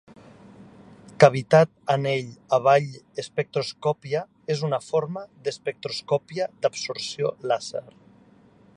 Cavitat anell avall espectroscòpia és una forma d'espectroscòpia d'absorció làser.